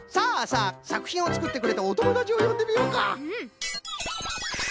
さくひんをつくってくれたおともだちをよんでみようか。